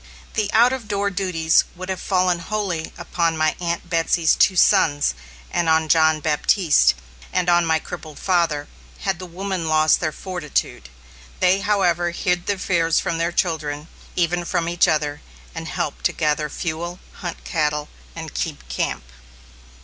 The out of door duties would have fallen wholly upon my Aunt Betsy's two sons and on John Baptiste and on my crippled father, had the women lost their fortitude. They, however, hid their fears from their children, even from each other, and helped to gather fuel, hunt cattle, and keep camp.